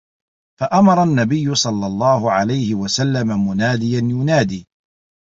فَأَمَرَ النَّبِيُّ صَلَّى اللَّهُ عَلَيْهِ وَسَلَّمَ مُنَادِيًا يُنَادِي